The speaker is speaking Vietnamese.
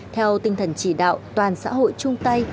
theo tinh thần chỉ đạo toàn xã hội chung tay